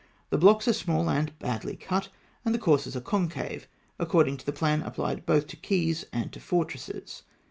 The blocks are small and badly cut, and the courses are concave, according to a plan applied both to quays and to fortresses.